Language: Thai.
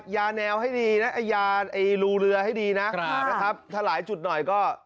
ยาแนวให้ดีนะไอ้ยาไอ้รูเรือให้ดีนะครับถ้าหลายจุดหน่อยก็